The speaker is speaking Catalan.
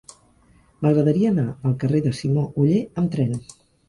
M'agradaria anar al carrer de Simó Oller amb tren.